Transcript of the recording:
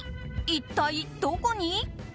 一体どこに？